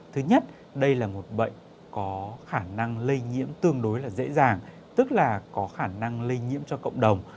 thứ nhất đây là một bệnh có khả năng lây nhiễm tương đối là dễ dàng tức là có khả năng lây nhiễm cho cộng đồng